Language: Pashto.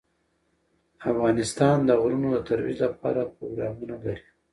افغانستان د غرونه د ترویج لپاره پروګرامونه لري.